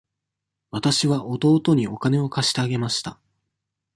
わたしは弟にお金を貸してあげました。